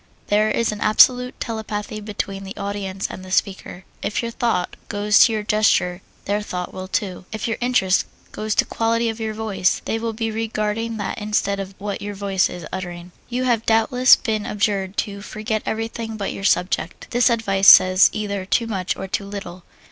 There is an absolute telepathy between the audience and the speaker. If your thought goes to your gesture, their thought will too. If your interest goes to the quality of your voice, they will be regarding that instead of what your voice is uttering. You have doubtless been adjured to "forget everything but your subject." This advice says either too much or too little.